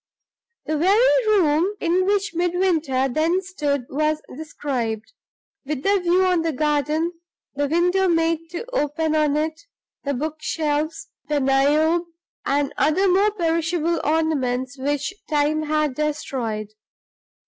The very room in which Midwinter then stood was described with the view on the garden, the window made to open on it, the bookshelves, the Niobe, and other more perishable ornaments which Time had destroyed.